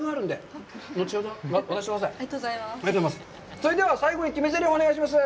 それでは最後に決めぜりふ、お願いします。